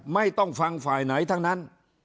ไม่ต้องฟังฝ่ายไหนทั้งนั้น